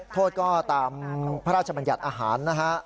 โทษก็ตามพระราชบัญญัติอาหารนะฮะ